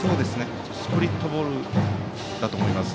スプリットボールだと思います。